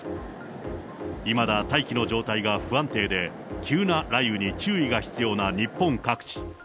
いまだ大気の状態が不安定で、急な雷雨に注意が必要な日本各地。